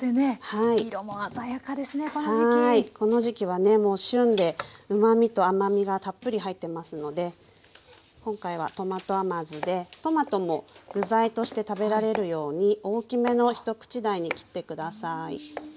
はいこの時期はねもう旬でうまみと甘みがたっぷり入ってますので今回はトマト甘酢でトマトも具材として食べられるように大きめの一口大に切って下さい。